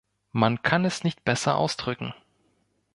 Man kann es nicht besser ausdrücken.